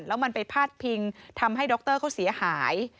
แล้วมันไปพาดพิงทำให้ดรเขาเสียหาย